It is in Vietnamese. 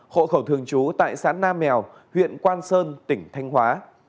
hộ khẩu thường trú tại xã nam mèo huyện quang sơn tỉnh thanh hóa